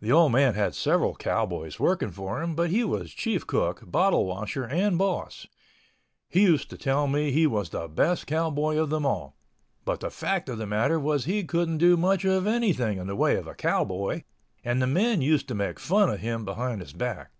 The old man had several cowboys working for him, but he was chief cook, bottle washer and boss. He used to tell me he was the best cowboy of them all. But the fact of the matter was he couldn't do much of anything in the way of a cowboy, and the men used to make fun of him behind his back.